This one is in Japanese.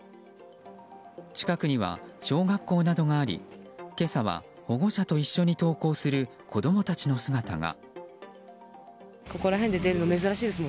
近くには小学校などがあり今朝は保護者と一緒に登校する子供たちの姿が。